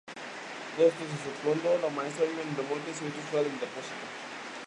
Todos estos, exceptuando a la maestra, viven en remolques y autos fuera del depósito.